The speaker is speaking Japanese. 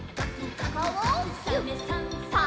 「サメさんサバさん」